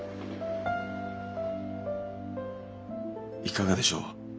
いかがでしょう？